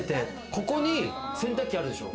ここに洗濯機あるでしょ。